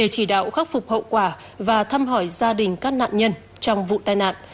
chỉ đạo khắc phục hậu quả và thăm hỏi gia đình các nạn nhân trong vụ tai nạn